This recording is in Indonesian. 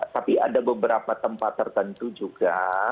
tapi ada beberapa tempat tertentu juga